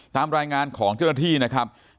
ตามรายงานของเจ้าหน้าที่นะครับ